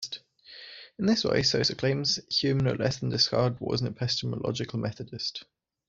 In this way, Sosa claims, Hume no less than Descartes was an epistemological Methodist.